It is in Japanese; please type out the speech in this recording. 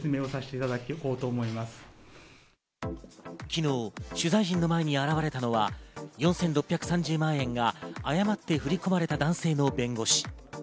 昨日、取材陣の前に現れたのは４６３０万円が誤って振り込まれた男性の弁護士。